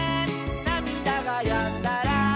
「なみだがやんだら」